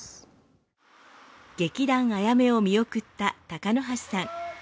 劇団あやめを見送った鷹箸さん。